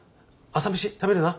朝飯食べるな？